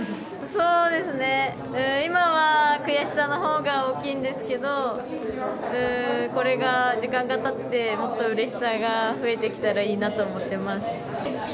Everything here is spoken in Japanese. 今は悔しさの方が大きいんですけどこれが時間がたってもっとうれしさが増えてきたらいいなと思っています。